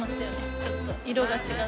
ちょっと色が違うと。